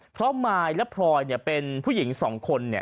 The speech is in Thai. เพราะมายและพลอยเป็นผู้หญิง๒คน